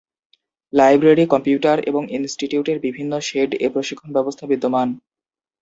Library, computer এবং ইন্সটিটিউটের বিভিন্ন শেড এ প্রশিক্ষণ ব্যবস্থা বিদ্যমান।